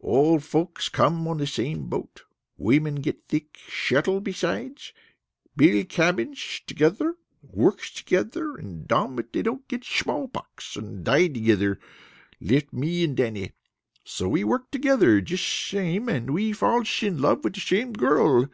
Old folks come on same boat. Women get thick. Shettle beside. Build cabinsh together. Work together, and domn if they didn't get shmall pox and die together. Left me and Dannie. So we work together jish shame, and we fallsh in love with the shame girl.